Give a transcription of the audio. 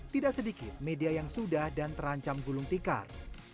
tidak sedikit media yang sudah dan terancam gulung tikar